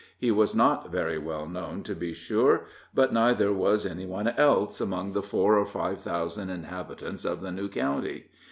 He was not very well known, to be sure, but neither was any one else among the four or five thousand inhabitants of the new county.